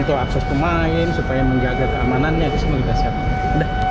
untuk akses pemain supaya menjaga keamanannya semua kita siapkan